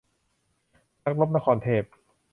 นักรบ-นครเทพ